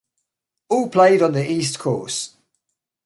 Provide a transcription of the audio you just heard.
All played on the East Course.